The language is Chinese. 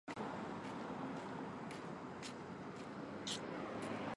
又娶孙权宗族的女儿为妻。